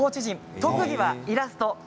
特技はイラスト。